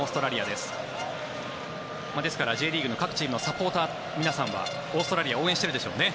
ですから、Ｊリーグの各チームのサポーターの皆さんはオーストラリアを応援しているでしょうね。